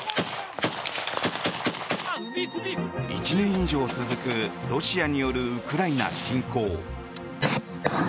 １年以上続くロシアによるウクライナ侵攻。